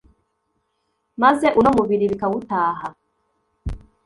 maze uno mubiri bikawutaha